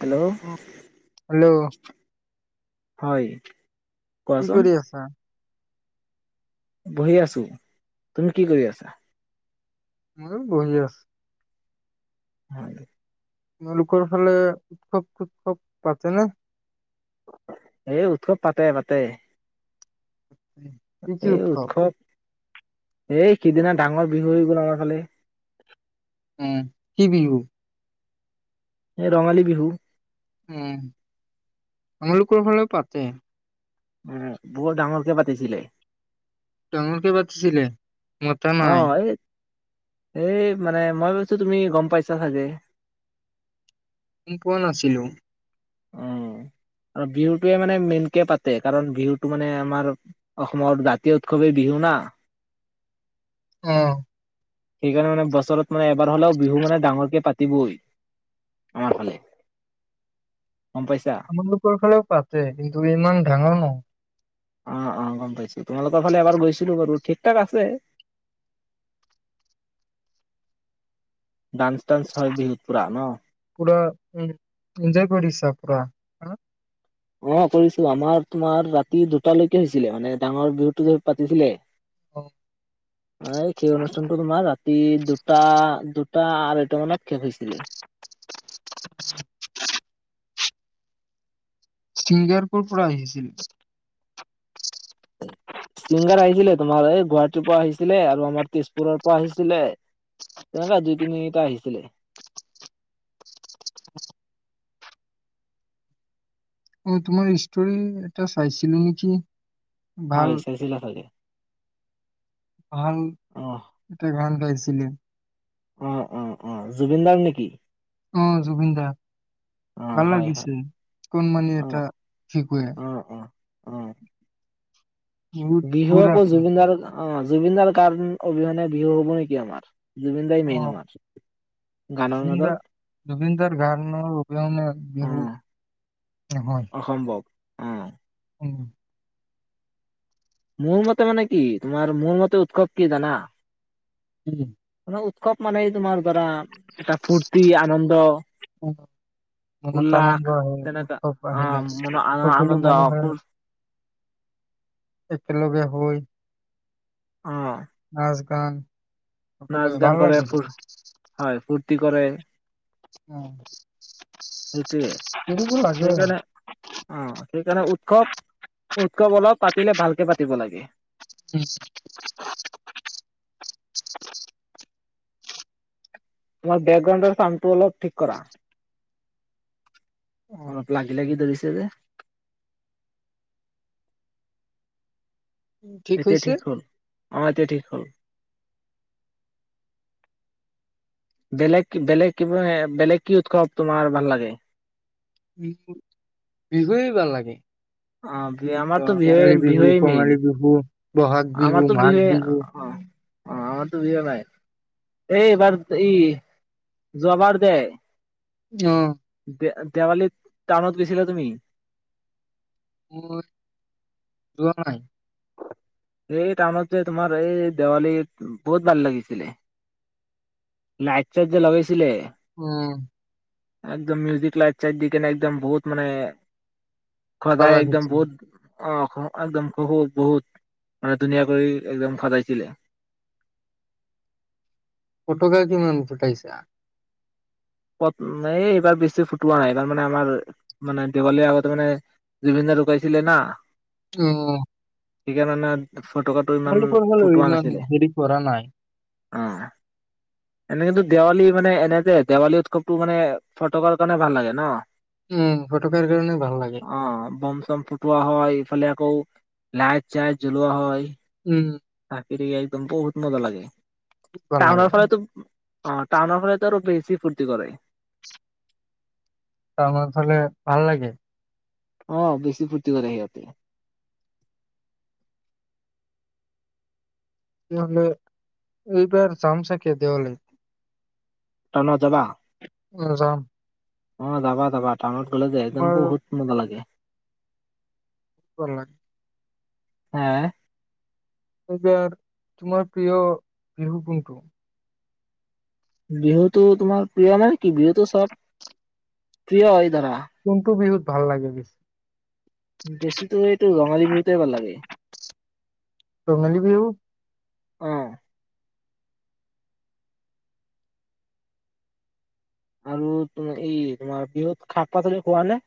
Hello hello হয় কি কোৱাচোন কৰি আছা বহি আছো তুমি কি কৰি আছা ময়ো বহি আছো হয় তোমালোকৰ ফালে উৎসৱ চোৎসৱ পাতেনে এই উৎসৱ পাতে পাতে কি কি উৎসৱ এই সিদিনা ডাঙৰ বিহু হৈ গ'ল আমাৰ ফালে উঁ কি বিহু এ ৰঙালী বিহু উম তোমালোকৰ ফালেও পাতে উম বহুত ডাঙৰকে পাতিছিলে ডাঙৰকে পাতিছিলে মতা অ নাই এই এই মানে মই ভাবছো তুমি গম পাইছা চাগে পোৱা নাছিলোঁ অঁ আৰু বিহুটোৱে মানে মেইনকে পাতে কাৰণ বিহুটো মানে আমাৰ অসমৰ জাতীয় উৎসৱেই বিহু না অঁ সেইকাৰণে মানে বছৰত মানে এবাৰ হ'লেও বিহু মানে ডাঙৰকে পাতিবই আমাৰ ফালে গম পাইছা আমাৰলোকৰ ফালেও পাতে কিন্তু ইমান ডাঙৰ নহয় অঁ অঁ অঁ গম গৈছো তোমালোকৰ ফালে এবাৰ গৈছিলো বাৰু ঠিক ঠাক আছে ডান্স চান্স হয় বিহুত পুৰা ন পুৰা উম এঞ্জয় কৰিছা পুৰা হাঁ অঁ কৰিছো আমাৰ তোমাৰ ৰাতি দুটালৈকে হৈছিলে মানে ডাঙৰ বিহুতো পাতিছিলে অ, অই সেই অনুষ্ঠানটো তোমাৰ ৰাতি দুটা দুটা ট আৰু এটো মনতক্ষেপ হৈছিলে ছিংগাৰপুৰৰ পৰা আহিছিল ছিংগাৰ আহিছিলে তোমাৰ এই গুৱাহাটীৰ পৰা আহিছিলে আৰু আমাৰ তেজপুৰৰ পৰা আহিছিলে তেনেকা দুই তিনিটা আহিছিলে অ তোমাৰ ষ্টৰী এটা চাইছিলো নেকি ভাল হয় চাইছিলা চাগে ভাল অ এটা গান পাইছে [unintelligible] অ' অ' অ' জুবিনদাৰ নেকি অ জুবিন দা অ ভাল হয় হয় লাগিছে কোন মানি অ এটা শিক অ অ অ বহুত বিহু সুৰ আকৌ আছে জুবিন দাৰ অ অ জুবিনদাৰ কাৰণ অবিহনে বিহু হব নেকি আমাৰ জুবিন দাই মেইন আহ আমাৰ গানৰ জুবিন দা মাজত জুবিনদাৰ গানৰ অবিহনে অ বিহু নহয় অসম্ভৱ অ উম মোৰ মতে মানে কি তোমাৰ মোৰ মতে উৎসৱ কি জানা উম মানে উৎসৱ মানেই তোমাৰ কৰা এটা ফূৰ্তি আনন্দ উম, মনত আনন্দ উল্লাস আহে তেনেকা উৎসৱ আহিলে আহ মন সকলো আনন্দ মানুহে হয় অ নাচগান নাচ গান কৰে ফূৰ হয় ফূ ফূৰ্তি কৰে অ সেইটোৱে কৰিব লাগে সেইকাৰণে অ সেইকাৰণে উৎসৱ উৎসৱ অলপ পাতিলে ভালকে পাতিব লাগে উ তোমাৰ বেকগ্ৰাউণ্ডৰ চাউণ্ডটো অলপ ঠিক কৰা অ অলপ লাগি লাগি ধৰিছে জতে এতিয়া ঠিক হ'ল অ এতিয়া ঠিক হ হয় বেলেগ বেলেগ কি বেলেগ কি উৎসৱ তোমাৰ ভাল লাগে বিহুৱে ভাল লাগে অ আমাৰতো বিহুৱে ৰঙালী বিহু বিহুৱেই মেইন কঙালী বিহু বহাগ বিহু আমাৰতো মাঘ বিহুৱে বিহু অ অ ত বি নাই এই এইবাৰ ই যোৱাবাৰ দে অহ দে দেৱালীত টাউনত গৈছিলা তুমি মোৰ যোৱা নাই এই টাউনত যে তোমাৰ এই দেৱালী বহুত ভাল লাগিছিলে লাইট চাইট যে লগাইছিলে উম একদম মিউজিক লাইট চাইট দিকেনে একদম বহুত মানে খোৱা ভাল যায় একদম লাগিছে। বহুত অ খ একদম বহুত বহুত মানে ধুনীয়া কৰি একদম সজাইছিলে ফটকা কিমান ফুটাইছা ফট এই এইবাৰ বেছি ফুটোৱা নাই এইবাৰ মানে আমাৰ মানে দেৱালীৰ আগতে মানে জুবিনদাৰ ঢুকাইছিলে না অ [unintelligible] ইমান তোমালোকৰ ফালে ফুটোৱা ইমান নাছিলে দেৰি কৰা নাই অ এনে কিন্তু দেৱালী মানে এনেতে দেৱালী উৎসৱটো মানে ফটকাৰ কাৰণে ভাল লাগে ন উম, ফটকাৰ কাৰণে ভাল লাগে। অ বম চম ফুটোৱা হয় ইফালে ক লাইট চাইত জলোৱা হয় উম চাকি একদম বহুত মজা লাগে ভাল টাউনৰ লাগে। ফলেতো অ টাউনৰ ফালেটো আৰু বেছি ফূৰ্তি কৰে ত আমাৰ ফালে ভাল লাগে অ বেছি ফূৰ্তি কৰে সিহঁতে তেহলে এইবাৰ যাম চাগে দেৱালীত তনত এজাম অ যাবা যাবা টাউনত গ'লে যে একদম বহুত মজা লাগে বলাক হা এইবাৰ তোমাৰ প্ৰিয় বিহু কোনটো বিহুটো তোমাৰ প্ৰিয় মানে কি বিহুটো চব প্ৰিয় ধৰা। কোনটো বিহুত ভাল লাগে বেছি বেছি তো এইটো ৰঙালী বিহুতে ভাল লাগে তঙালি বি আহ আৰু তোমাৰ এই তোমাৰ বিহুত শাক পাচলি খোৱা নে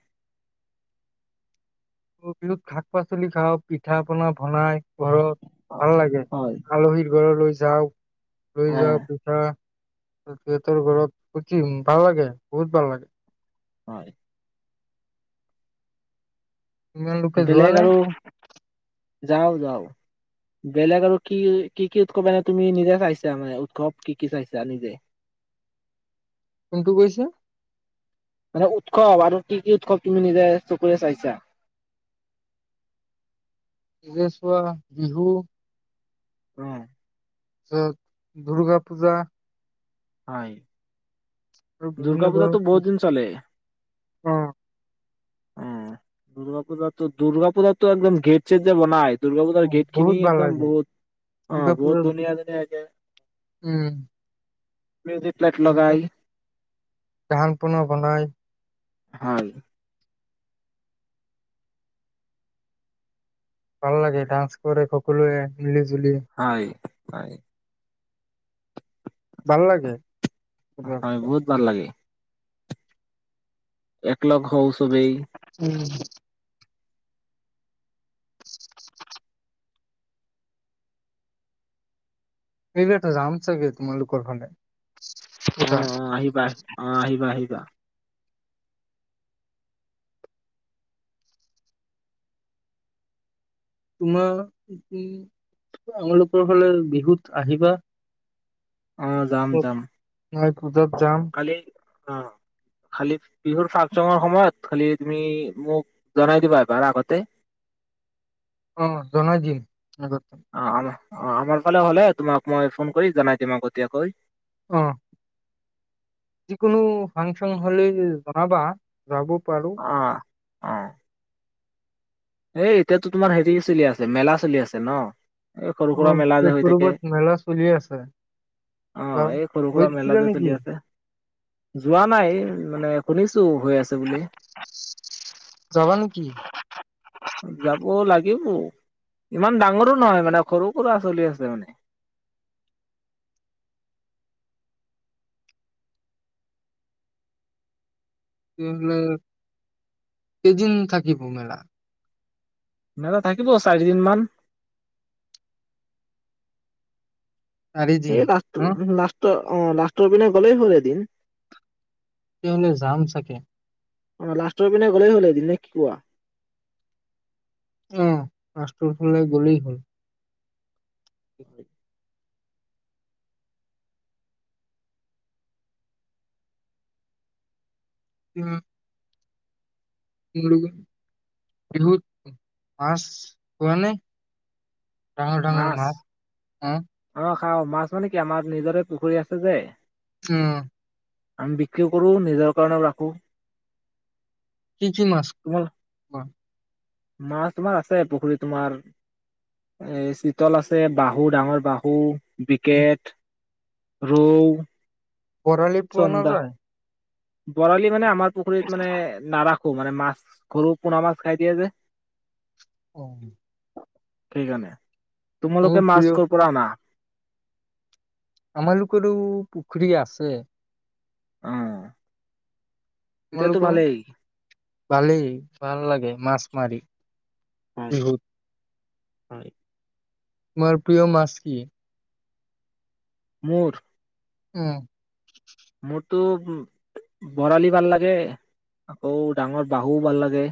বিহুত শাক পাচলি খাওঁ পিঠা পনা বনাই ঘৰত অ ভাল লাগে হয় আলহীৰ ঘৰ লৈ যাওক লৈ অ যাওঁ পিঠা সিহঁতৰ ঘৰত সুজি ভাল লাগে বহুত ভাল লাগে হয় আপোনালোকে যোৱা বেলেগ নাই আৰু যাও যাও বেলেগ আৰু কি কি কি উৎসৱ মনে তুমি নিজে চাইছা মানে উৎসৱ কি কি চাইছা নিজে কোনটো কৈছে মানে উৎসৱ আৰু কি কি উৎসৱ তুমি নিজে চকুৰে চাইছা চৰেচোৱা বিহু উম আ দুৰ্গা পূজা হয় আৰু বিভিন্ন দুৰ্গা ধৰণৰ পূজাটো বহু দিন চলে অ উ দুৰ্গ পূজাত দুূৰ্গা পূজাতটোো একদম ঘেট চে যাব নাই দুূৰ্গা পূজাৰ গেট খিনি বহুত ভাল একদম লাগে বহুত অ দুৰ্গা বহুত পূজাত ধুনীয়া ধুনীয়াাকে উম লগাই ান পুনৰ বনাই হয় ভাল লাগে ডান্স কৰে সকলোৱে মিলি জুলি হয় হয় ভাল লাগে উম হয় বহুত ভাল লাগে এককলগ হঔচবেই উম এইবটা যাম চাব তোমালোকৰ ফালে অ পূজা অ আহিবা আহ অ আহিবা আহিবা তোমাৰ উম আমলোকৰ ফাললে বিহুত আহিবা অ যাম যাম হয় উূজক যাম কালি অ খালি বিহুৰ ফাংচনৰ সময়ত খ তুি ম দ অ জনোনজি আগ্ত অ', আমাৰ অ আমাৰ ফালে হ'লে তোমাক মই ফোন কৰি জনাই দিম আগতীয়াকৈ অ যিকোনো ফাংচন হলে জনাবা যাব পাৰোঁ আহ এ এতিয়াতো তোমাৰ হেৰি চলি আছে মেলা চলি আছে ন। এই সৰু সুৰা মেলা যে মোৰ হৈ থাকে কৰবাত মেলা চলি আছে আহ যাম এই সৰু সুৰা মেলা গৈছিলা যে নেকি চলি আছে যোৱা নাই মানে শুনিছো হৈ আছে বুলি যাবা নেকি যাব লাগিব ইমান ডাঙৰো নহয় মানে সৰু পৰাুৰা চলি আছে মানে তেহলে কেইদিন থাকিব মেলা নাদা থাকিব চাৰিদিন মান চাৰিদিন এই লাষ্ট ন লাষ্টটো অ লাষ্টৰ পিনে গ'লেই হল এদিন তেওঁনে জাম চাকে অ লাষ্টৰ পিনে গ'লেই হ'ল এদিন নে কি কোৱা? আহ মষ্টৰ ফালে গ'লেই হ'ল উ বিহুত মচ হোৱা নাই ডাঙৰ ডাঙৰ মাছ অ অ খাও মাছ মানে কি আমাৰ নিজৰে পুখুৰী আছে যে অ আমি বিক্ৰী কৰো নিজৰ কাৰণেও ৰাখোঁ কি কি মছ বা মাছ তোমাৰ আছে পুখুৰীত তোমাৰ এ চিতল আছে বাহু ডাঙৰ বাহু স উম, বি্ৰকেট ৰৌহ বৰালি পোৱা নাযায় বৰালি মানে আমাৰ পুখুৰীত মানে নাৰাখ মানে মাছ ঘৰু পোনা মাছ খাই দিয়ে যে অ ঠিক আনে মোৰ তোমালোকে মাছ প্ৰিয় কৰ কৰা আনা আমালোকৰো পুখুৰী আছে আহ তোমালোকৰ ভালেই ভাল লাগে মাছ মাৰি হয় উ হ হয় তোমাৰ প্ৰিয় মাছ কি মোৰ উ তো উ বৰালি ভাল লাগে আকৌ ডাঙৰ বাহুও ভাল লাগে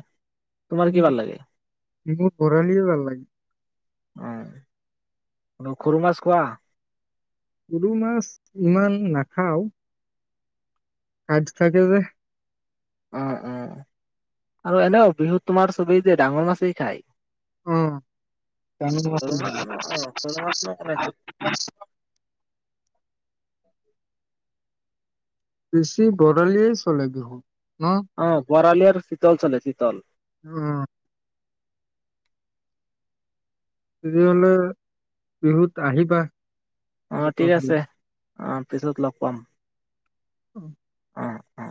তোমাৰ কি ভাল লাগে মোৰ বৰালিয় ভাল লাগে অ সৰু মাছ কোৱা সৰু মাছ ইমান নাখাওঁ কাজ থাকে যে উ উম আৰু এনেও বিহুত তোমাৰ চবেই যে ডাঙৰ মাছেই খায় উম সৰু মাছ ন অ সৰু মাছ ন কোনে খায় বেছি বৰালিয়েই চলে বিহুত ন? অ বৰালি শীতল চলে শীতল আহ তেতিয় হলে বিহুত আহিবা। অ আৰু ঠিক প আছে হ'লে? অ পিছত লগ পাম। অ অ অ